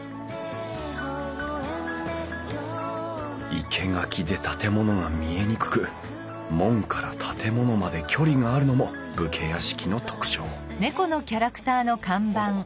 生け垣で建物が見えにくく門から建物まで距離があるのも武家屋敷の特徴おっ！